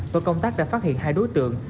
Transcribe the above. tổ công tác đã phát hiện hai đối tượng